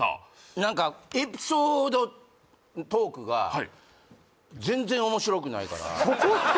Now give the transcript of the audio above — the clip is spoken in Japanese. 何かエピソードトークがはい全然面白くないからそこっすか？